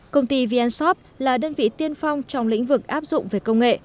công ty vn shop là đơn vị tiên phong trong lĩnh vực áp dụng về công nghệ